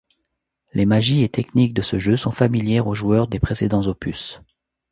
Les magies et techniques de ce jeu sont familières aux joueurs des précédents opus.